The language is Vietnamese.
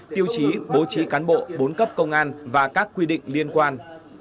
tiêu chí bố trí cán bộ bốn cấp công an và các quy định liên quan